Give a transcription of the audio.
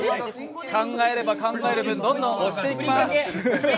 考えれば考える分どんどん押していきます。